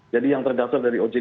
jadi yang terdaftar dari ojk